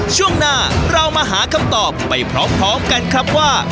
ช่วงหน้าเรามาหาคำตอบไปพร้อมกันครับว่า